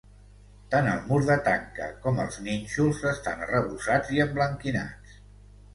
Tant el mur de tanca com els nínxols estan arrebossats i emblanquinats.